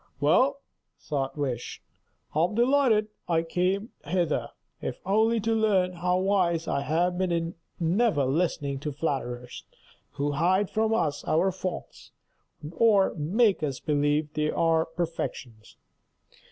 "Well," thought Wish, "I am delighted that I came hither, if only to learn how wise I have been in never listening to flatterers, who hide from us our faults, or make us believe they are perfections.